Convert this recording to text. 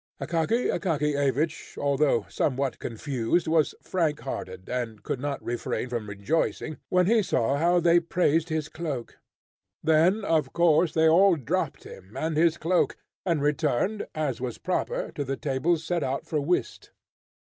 Akaky Akakiyevich, although somewhat confused, was frank hearted, and could not refrain from rejoicing when he saw how they praised his cloak. Then, of course, they all dropped him and his cloak, and returned, as was proper, to the tables set out for whist.